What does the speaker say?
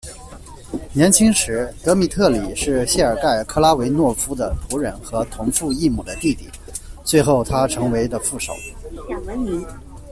年轻时，德米特里是谢尔盖·克拉维诺夫的仆人和同父异母的弟弟，最后他成为的副手。